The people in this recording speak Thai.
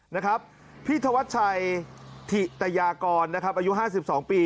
นะครับพี่ธวัชชัยถิตยากรนะครับอายุห้าสิบสองปี